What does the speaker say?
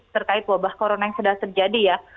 terkait wabah corona yang sedang terjadi ya